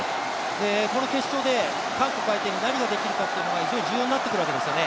この決勝で韓国相手に何ができるかというのが、非常に重要になってくるわけですよね。